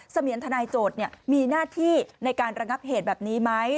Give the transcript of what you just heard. เสมียนทนายโจทย์มีหน้าที่ในการระงับเหตุแบบนี้ไหม